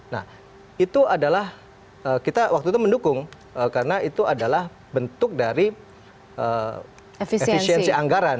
nah itu adalah kita waktu itu mendukung karena itu adalah bentuk dari efisiensi anggaran